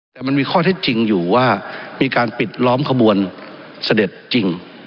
แต่มันมีข้อเท็จจริงอยู่ว่ามีการปิดล้อมขบวนเสด็จจริง